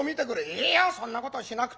「いいよそんなことしなくたって」。